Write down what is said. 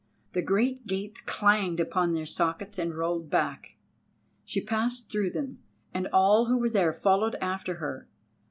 The great gates clanged upon their sockets and rolled back. She passed through them, and all who were there followed after her.